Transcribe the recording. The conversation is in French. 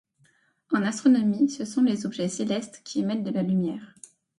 En astronomie, ce sont les objets célestes qui émettent de la lumière.